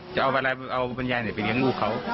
จะเอาบรรยายหน่อยไปเลี้ยงลูกเขา